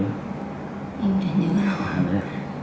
em chỉ nhớ lo